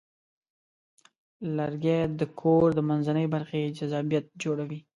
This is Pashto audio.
لرګی د کور د منځنۍ برخې جذابیت جوړوي.